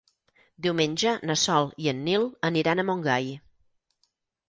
Diumenge na Sol i en Nil aniran a Montgai.